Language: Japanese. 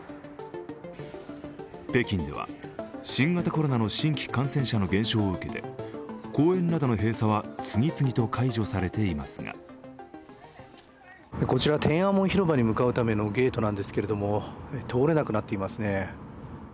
北京では、新型コロナの新規感染者の減少を受けて公園などの閉鎖は次々と解除されていますがこちら、天安門広場に向かうためのゲートなんですけれども、通れなくなっていますね。